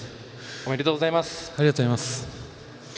ありがとうございます。